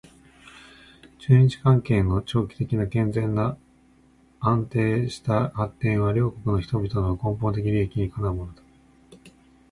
中日関係の長期的で健全な安定した発展は両国の人々の根本的利益にかなうものだ